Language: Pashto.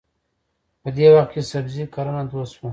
په دې وخت کې سبزي کرنه دود شوه.